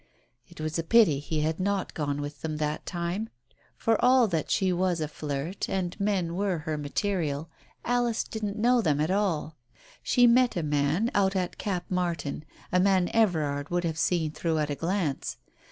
It was a pity he had not gone with them that time. For all that she was a flirt, and men were her material ; Alice didn't know them at all. She met a man out at Cap Martin, a man Everard would have seen through at a glance.